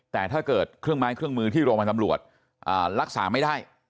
แต่ถ้าเกิดเครื่องไม้เครื่องมือที่โรงพยาบาลตำรวจรักษาไม่ได้